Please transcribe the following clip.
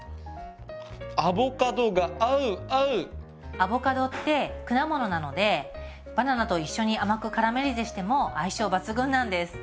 アボカドって果物なのでバナナと一緒に甘くカラメリゼしても相性抜群なんです！